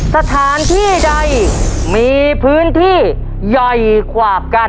สถานที่ใดมีพื้นที่ใหญ่กว่ากัน